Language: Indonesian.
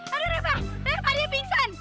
aduh rapah rapah dia pingsan